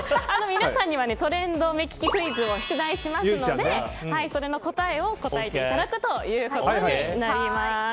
皆さんにはトレンド目利きクイズを出題しますのでそれの答えを答えていただくということになります。